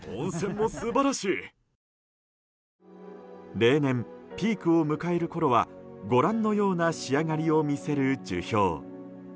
例年、ピークを迎えるころはご覧のような仕上がりを見せる樹氷。